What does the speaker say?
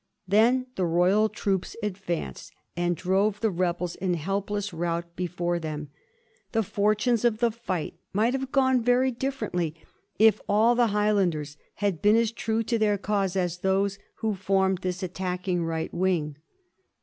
Then the Royal troops advanced, and drove the rebels in helpless rout before them. The fortunes of the fight might have gone very differently if all the High landers had been as true to their cause as those who formed this attacking right wing.